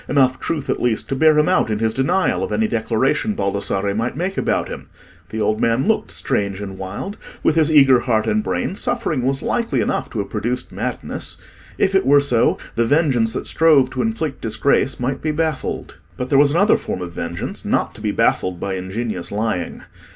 Enough truth, at least, to bear him out in his denial of any declaration Baldassarre might make about him? The old man looked strange and wild; with his eager heart and brain, suffering was likely enough to have produced madness. If it were so, the vengeance that strove to inflict disgrace might be baffled. But there was another form of vengeance not to be baffled by ingenious lying.